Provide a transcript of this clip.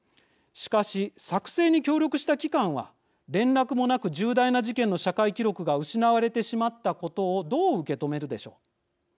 しかし、作成に協力した機関は連絡もなく重大な事件の社会記録が失われてしまったことをどう受け止めるでしょう。